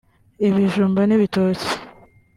ibijumba n’ibitoki